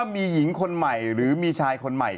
มีอีกไหมมีอีกไหม